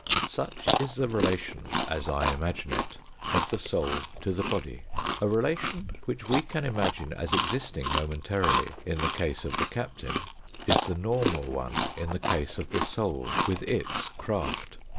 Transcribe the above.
Such is the relation, as I imagine it, of the soul to the body. A relation which we can imagine as existing momentarily in the case of the captain is the normal one in the case of the soul with its craft.